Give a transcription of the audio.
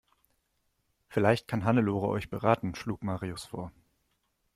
Vielleicht kann Hannelore euch beraten, schlug Marius vor.